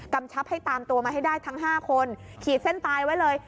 ชับให้ตามตัวมาให้ได้ทั้ง๕คนขีดเส้นตายไว้เลย